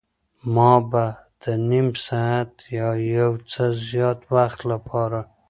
ما به د نیم ساعت یا یو څه زیات وخت لپاره.